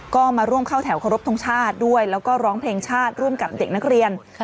ก็มาร่วมเข้าแถวเคารพทงชาติด้วยแล้วก็ร้องเพลงชาติร่วมกับเด็กนักเรียน